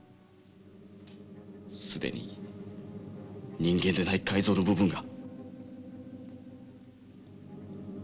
既に人間でない改造の部分が。